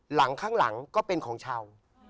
หลังข้างหลังก็เป็นของชาว